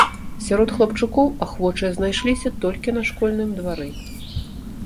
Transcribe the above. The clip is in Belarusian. Сярод хлапчукоў ахвочыя знайшліся толькі на школьным двары.